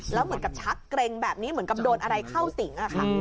แล้วเหมือนกับชักเกร็งแบบนี้เหมือนกับโดนอะไรเข้าสิงอะค่ะ